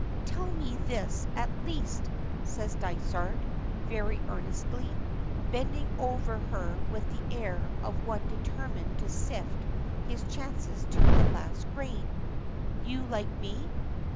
"Tell me this at least," says Dysart, very earnestly, bending over her with the air of one determined to sift his chances to the last grain, "you like me?"